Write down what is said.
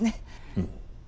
うん。